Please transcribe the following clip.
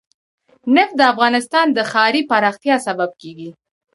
نفت د افغانستان د ښاري پراختیا سبب کېږي.